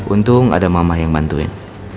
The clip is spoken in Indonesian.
untung ada mamah yang bantuin